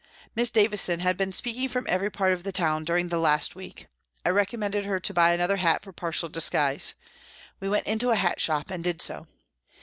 Miss Davison had been speaking from every part of the town during the last week. I recommended her to buy another hat for partial disguise. We went into a hat shop and did so.